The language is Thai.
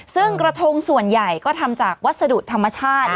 ซึ่งกระทงส่วนใหญ่ก็ทำจากวัสดุธรรมชาติ